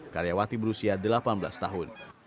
karyawati berusia delapan belas tahun